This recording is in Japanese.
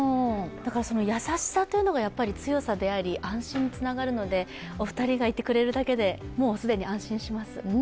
優しさというのが強さであり安心につながるのでお二人がいてくれるだけでもう既に安心します。